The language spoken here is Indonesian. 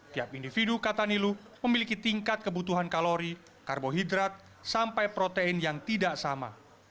tiap individu kata nilu memiliki tingkat kebutuhan kalori karbohidrat sampai protein yang tidak sama